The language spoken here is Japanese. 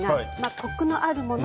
コクがあるもの